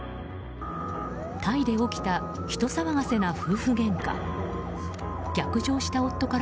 タイで起きた人騒がせな夫婦げんか。